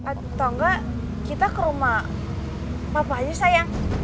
atau enggak kita ke rumah bapak aja sayang